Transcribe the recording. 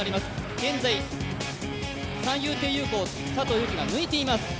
現在、三遊亭遊子、佐藤悠基が抜いています。